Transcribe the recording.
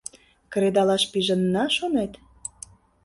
Кредалаш пижынна, шонет?